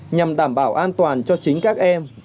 nhằm đảm bảo an toàn cho chính các em